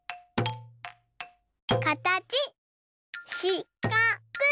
かたちしかく。